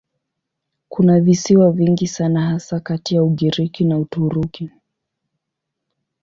Kuna visiwa vingi sana hasa kati ya Ugiriki na Uturuki.